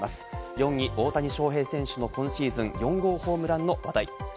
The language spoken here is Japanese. ４位、大谷翔平選手の今シーズン４号ホームランの話題。